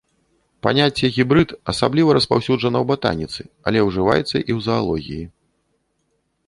Паняцце гібрыд асабліва распаўсюджана ў батаніцы, але ўжываецца і ў заалогіі.